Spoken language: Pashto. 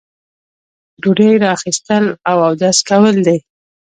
ډوډۍ را اخیستل او اودس کول دي.